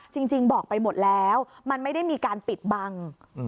จริงบอกไปหมดแล้วมันไม่ได้มีการปิดบัง